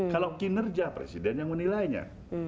kalau kinerja presiden yang menilainya